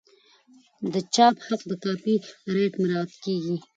د چاپ حق یا کاپي رایټ مراعات کیږي.